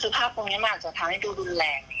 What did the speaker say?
คือภาพตรงนี้มันอาจจะทำให้ดูรุนแรง